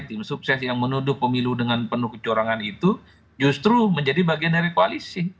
tim sukses yang menuduh pemilu dengan penuh kecurangan itu justru menjadi bagian dari koalisi